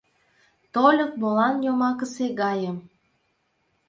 Тольык молан йомакысе гайым?